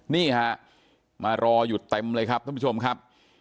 นี่ฮะมารออยู่เต็มเลยครับท่านผู้ชมครับ